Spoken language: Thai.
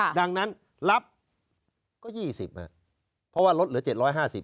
ค่ะดังนั้นรับก็ยี่สิบอ่ะเพราะว่ารถเหลือเจ็ดร้อยห้าสิบ